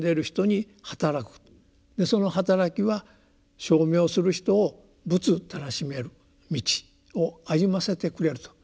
その働きは称名する人を仏たらしめる道を歩ませてくれると。